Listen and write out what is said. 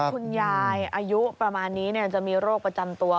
คุณยายอายุประมาณนี้จะมีโรคประจำตัว